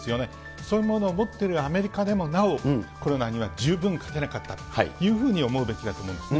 そういうものを持ってるアメリカでもなお、コロナには十分勝てなかったというふうに思うべきだと思うんですね。